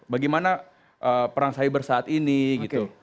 bagaimana perang cyber itu